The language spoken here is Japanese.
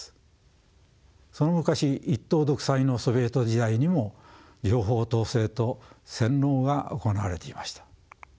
その昔一党独裁のソビエト時代にも情報統制と洗脳が行われていました。